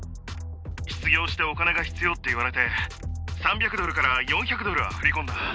失業してお金が必要って言われて、３００ドルから４００ドルは振り込んだ。